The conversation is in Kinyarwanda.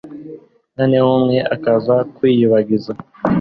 noneho umwe akaza kwiyibagiza